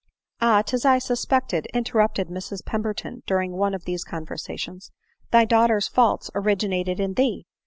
" Ah ! 'tis as I suspected," interrupted Mrs Pember ton during one of these conversations. " Thy daughter's faults originated in thee